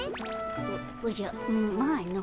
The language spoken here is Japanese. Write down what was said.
おおじゃまあの。